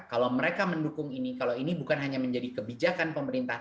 kalau mereka mendukung ini kalau ini bukan hanya menjadi kebijakan pemerintah